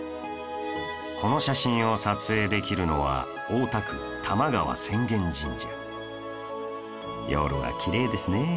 この写真を撮影できるのは夜はきれいですね